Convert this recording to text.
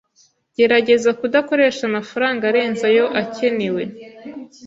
Gerageza kudakoresha amafaranga arenze ayo akenewe.